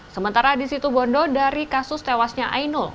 sementara di situ bondo dari kasus tewasnya ainul